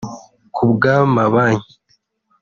Ku bw’amabanki